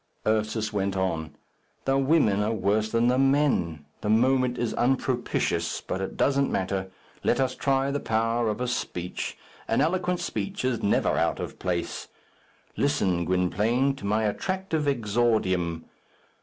Ursus went on, "The women are worse than the men. The moment is unpropitious, but it doesn't matter! Let us try the power of a speech; an eloquent speech is never out of place. Listen, Gwynplaine, to my attractive exordium.